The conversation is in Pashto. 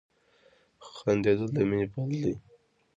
• خندېدل د مینې پل دی.